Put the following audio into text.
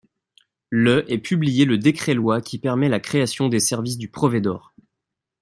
Le est publié le décret-loi qui permet la création des services du Provedor.